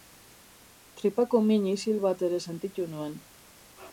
Tripako min isil bat ere sentitu nuen.